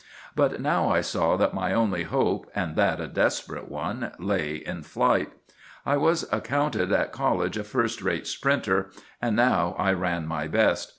But now I saw that my only hope, and that a desperate one, lay in flight. I was accounted at college a first rate sprinter, and now I ran my best.